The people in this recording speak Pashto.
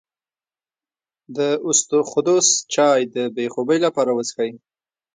د اسطوخودوس چای د بې خوبۍ لپاره وڅښئ